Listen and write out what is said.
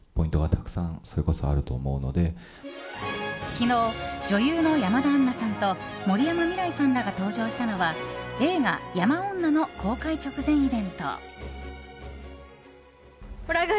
昨日、女優の山田杏奈さんと森山未來さんらが登場したのは映画「山女」の公開直前イベント。